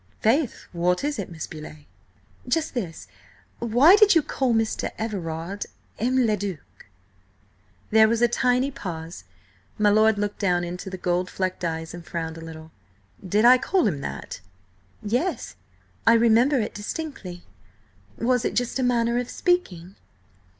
"Faith, what is it, Miss Beauleigh?" "Just this: why did you call Mr. Everard M. le Duc?" There was a tiny pause. My lord looked down into the gold flecked eyes and frowned a little. "Did I call him that?" "Yes, I remember it distinctly. Was it just–a manner of speaking?"